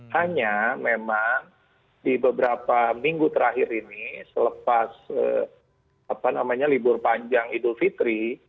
hanya memang di beberapa minggu terakhir ini selepas libur panjang idul fitri